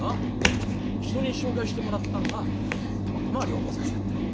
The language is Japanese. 人に紹介してもらったんがたまたま涼子さんやったんや。